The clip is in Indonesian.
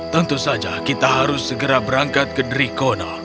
tentu saja kita harus segera berangkat ke drikona